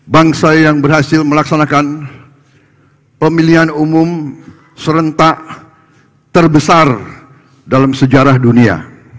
bangsa yang berhasil melaksanakan pemilihan umum serentak terbesar dalam sejarah dunia